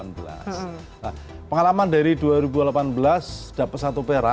nah pengalaman dari dua ribu delapan belas dapat satu perak